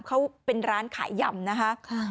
เขาเป็นร้านขายยำนะคะ